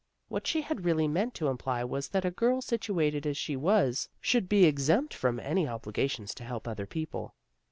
What she had really meant to imply was that a girl situated as she was, should be ex empt from any obligations to help other people.